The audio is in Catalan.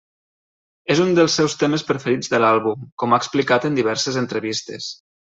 És un dels seus temes preferits de l'àlbum, com ha explicat en diverses entrevistes.